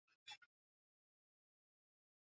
Kaskazini Magharibi Imepakana na bahari ya Mediteranea